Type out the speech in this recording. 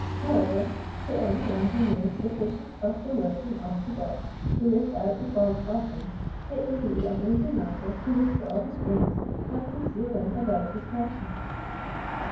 However, to any one who knows sufficient of the working of the box to lift out the false bottom, it will be an easy matter to withdraw the springs and conceal them about his person."